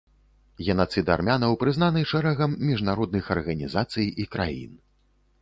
Генацыд армянаў прызнаны шэрагам міжнародных арганізацый і краін.